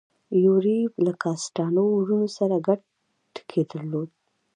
یوریب له کاسټانو وروڼو سره ګډ ټکی درلود.